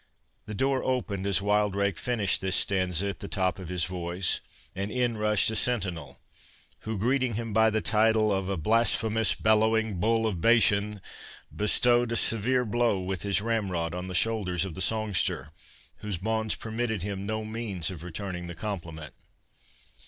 The door opened as Wildrake finished this stanza at the top of his voice, and in rushed a sentinel, who, greeting him by the title of a "blasphemous bellowing bull of Bashan," bestowed a severe blow, with his ramrod, on the shoulders of the songster, whose bonds permitted him no means of returning the compliment.